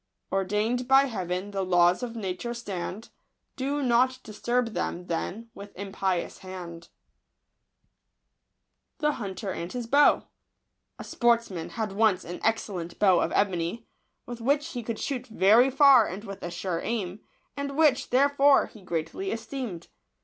Ordain'd by Heaven the laws of nature stand ; Do not disturb them, then, with impious hand. 38 ?^unt*r anto SPORTSMAN had once an excellent bow of ebony, with which he could shoot very far and with a sure aim, and which, therefore, he greatly esteemed.